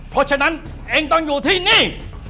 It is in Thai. เพราะฉะนั้นเองต้องอยู่ที่นี่